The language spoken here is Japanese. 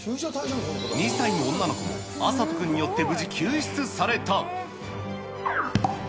２歳の女の子も麻人君によって無事救出された。